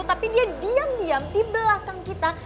tapi dia diam diam di belakang kita